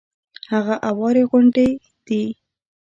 هغه اوارې غونډې دي.